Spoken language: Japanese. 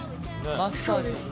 マッサージ。